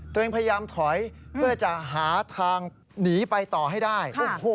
ตัวเองพยายามถอยเพื่อจะหาทางหนีไปต่อให้ได้